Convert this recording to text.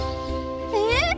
えっ！？